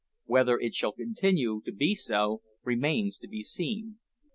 Whether it shall continue to be so remains to be seen!